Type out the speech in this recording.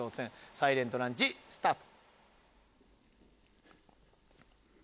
サイレントランチスタート。